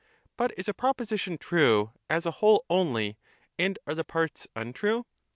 But is a proposition true as a whole only, and are the parts untrue?